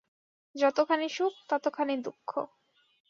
যতখানি সুখ, ততখানি দুঃখ।